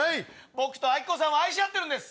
僕とアキコさんは愛し合ってるんです。